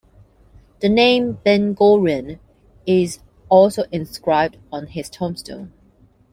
The name Bin-Gorion is also inscribed on his tombstone.